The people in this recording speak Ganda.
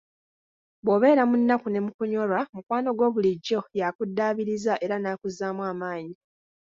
Bw'obeera mu nnaku ne mukunyolwa, mukwano gwo bulijjo yakuddaabiriza era nakuzzaamu amaanyi.